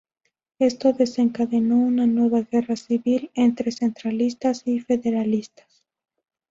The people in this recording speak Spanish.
Esto desencadenó una nueva guerra civil entre centralistas y federalistas.